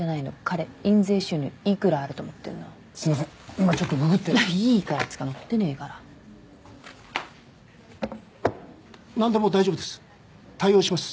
今ちょっとググっていいからっつうか載ってねえからなんでも大丈夫です対応します